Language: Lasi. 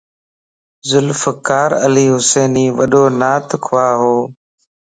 ذوالفقار علي حسيني وڏو نعت خوا ھئو